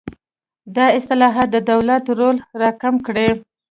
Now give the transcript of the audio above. دا اصلاحات د دولت رول راکم کړي.